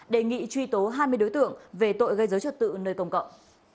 đề nghị truy tố hai mươi đối tượng về tội gây dối trật tự nơi công cộng